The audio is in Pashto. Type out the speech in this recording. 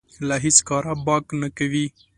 له هېڅ کاره باک نه کوي.